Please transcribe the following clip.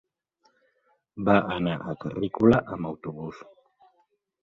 Va anar a Carrícola amb autobús.